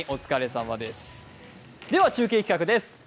それでは中継企画です。